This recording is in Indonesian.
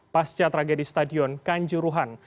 pasca tragedi stadion kanjuruhan